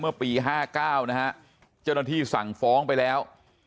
เมื่อปี๕๙นะฮะเจ้าหน้าที่สั่งฟ้องไปแล้ว